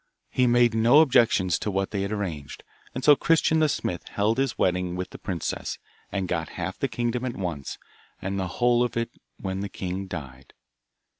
He made no objections to what they had arranged, and so Christian the smith held his wedding with the princess, and got half the kingdom at once, and the whole of it when the king died.